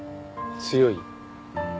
強い？